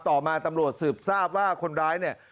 ต่อมาตำรวจสืบทราบว่าคนร้ายเนี่ย